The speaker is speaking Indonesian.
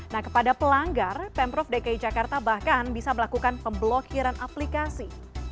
nah kepada pelanggar pemprov dki jakarta bahkan bisa melakukan pemblokiran aplikasi